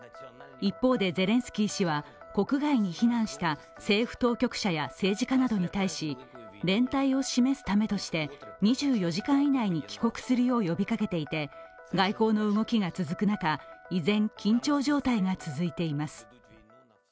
一方で、ゼレンスキー氏は国外に避難した政府当局者や政治家などに対し、連帯を示すためとして、２４時間以内に帰国するよう呼びかけていて外交の動きが続く中、依然、緊張状態が続いています。